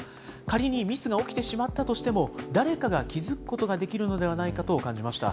仮にミスが起きてしまったとしても、誰かが気付くことができるのではないかと感じました。